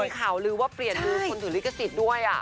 มันมีข่าวลือว่าเปลี่ยนคนถือลิขสิทธิ์ด้วยอ่ะ